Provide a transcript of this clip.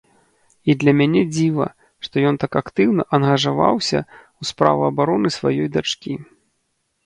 І для мяне дзіва, што ён так актыўна ангажаваўся ў справу абароны сваёй дачкі.